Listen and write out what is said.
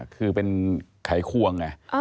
คือเป็นไข้ควง